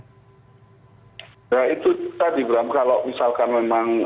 nah itu tadi berambah kalau misalkan memang